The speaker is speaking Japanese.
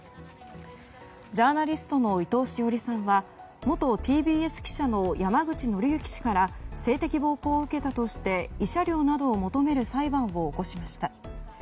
ジャーナリストの伊藤詩織さんは元ＴＢＳ記者の山口敬之氏から性的暴行を受けたとして慰謝料などを求める裁判を起こしました。